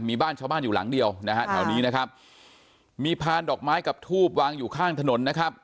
มีบ้านชาวบ้านอยู่หลังเดียวนะฮะแถวนี้นะครับมีพานดอกไม้กับทูบวางอยู่ข้างถนนนะครับ